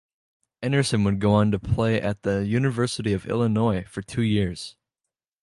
Anderson would go on to play at the University of Illinois for two years.